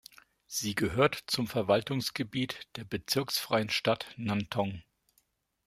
Sie gehört zum Verwaltungsgebiet der bezirksfreien Stadt Nantong.